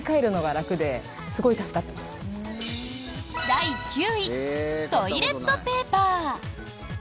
第９位トイレットペーパー。